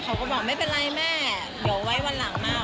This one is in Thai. เขาก็บอกไม่เป็นไรแม่เดี๋ยวไว้วันหลังมาก